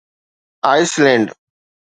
ice land